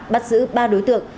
bắt giữ ba đối tượng